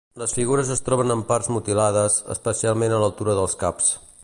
Les figures es troben en part mutilades, especialment a l'altura dels caps.